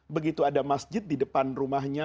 begitu ada masjid di depan rumahnya